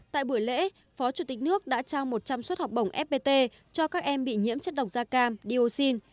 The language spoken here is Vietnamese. tại buổi lễ phó chủ tịch nước đã trao một trăm linh suất học bổng fpt cho các em bị nhiễm chất độc da cam dioxin